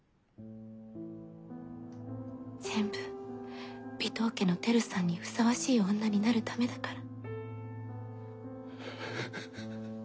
全部尾藤家の輝さんにふさわしい女になるためだから。